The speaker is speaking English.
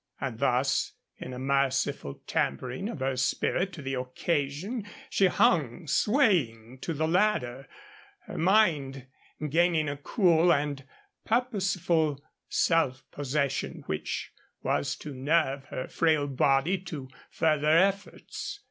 And thus, in a merciful tempering of her spirit to the occasion she hung swaying to the ladder, her mind gaining a cool and purposeful self possession which was to nerve her frail body to further efforts.